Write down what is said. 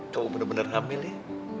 kamu bener bener hamil ya